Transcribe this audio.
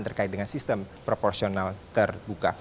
terkait dengan sistem proporsional terbuka